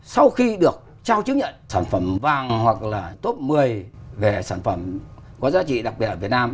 sau khi được trao chứng nhận sản phẩm vàng hoặc là top một mươi về sản phẩm có giá trị đặc biệt ở việt nam